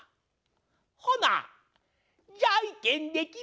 ほなじゃいけんできめよか。